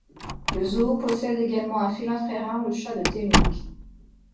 Le zoo possède également un félin très rare, le chat de Temminck.